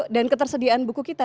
dan ketersediaan buku kita